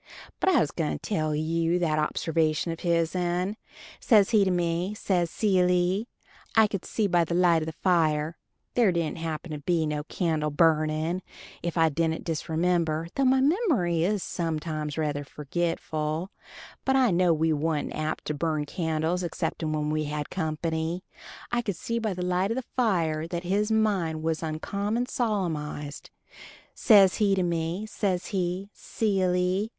But I was gwine to tell you that observation of hisen. Says he to me, says he, "Silly" (I could see by the light o' the fire, there dident happen to be no candle burnin', if I don't disremember, though my memory is sometimes ruther forgitful, but I know we wa'n't apt to burn candles exceptin' when we had company) I could see by the light of the fire that his mind was oncommon solemnized. Says he to me, says he. "Silly."